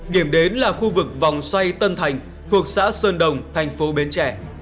điểm đến là khu vực vòng xoay tân thành thuộc xã sơn đồng thành phố bến trẻ